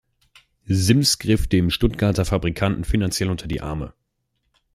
Simms griff dem Stuttgarter Fabrikanten finanziell unter die Arme.